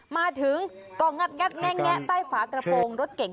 มาถึงกองงัดงัดแม่งแงะใต้ฝากระโภงรถเก่ง